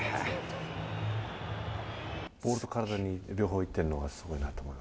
ボールと体に両方いってるのが、すごいなと思う。